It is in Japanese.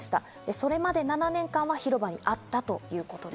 それまで７年間広場にあったということです。